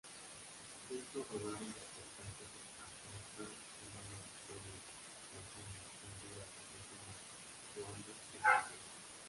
Juntos rodaron reportajes en Afganistán, Somalia, Kenia, Tanzania, Honduras, Argentina, Ruanda e India.